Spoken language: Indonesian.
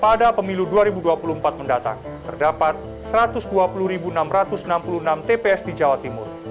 pada pemilu dua ribu dua puluh empat mendatang terdapat satu ratus dua puluh enam ratus enam puluh enam tps di jawa timur